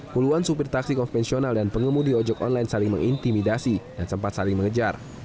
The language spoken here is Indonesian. puluhan supir taksi konvensional dan pengemudi ojek online saling mengintimidasi dan sempat saling mengejar